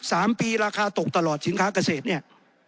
สามปีราคาตกตลอดสินค้าเกษตรเนี่ย